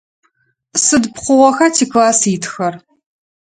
Сыд пкъыгъоха тикласс итхэр?